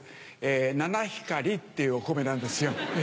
「ナナヒカリ」っていうお米なんですよ。